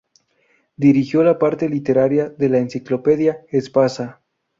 Dirigió la parte literaria de la "Enciclopedia" Espasa.